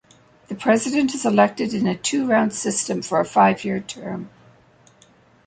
The President is elected in a two-round system for a five-year term.